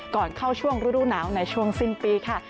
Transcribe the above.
ก่อนเข้าช่วงฤดูหนาวในช่วงสิ้นปีค่ะ